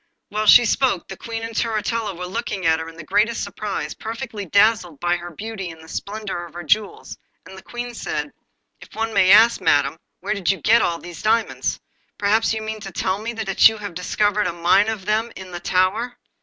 While she spoke the Queen and Turritella were looking at her in the greatest surprise, perfectly dazzled by her beauty and the splendour of her jewels, and the Queen said: 'If one may ask, Madam, where did you get all these diamonds? Perhaps you mean to tell me that you have discovered a mine of them in the tower!